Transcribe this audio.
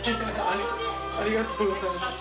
ありがとうございます。